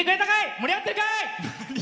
盛り上がってるか！